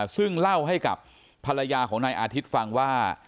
ซึ่งเล่าให้กับภรรยาของนายอาทิตย์ฟังว่า